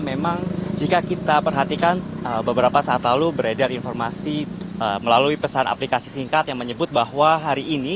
memang jika kita perhatikan beberapa saat lalu beredar informasi melalui pesan aplikasi singkat yang menyebut bahwa hari ini